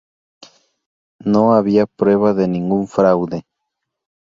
No había prueba de ningún fraude.